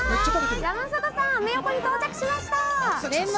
山里さん、到着しました。